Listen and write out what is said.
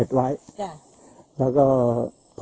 สวัสดีครับ